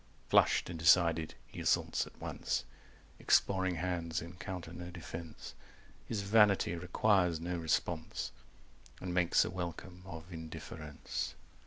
Flushed and decided, he assaults at once; Exploring hands encounter no defence; 240 His vanity requires no response, And makes a welcome of indifference.